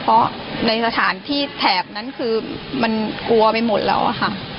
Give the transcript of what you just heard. เพราะในสถานที่แถบนั้นคือมันกลัวไปหมดแล้วอะค่ะ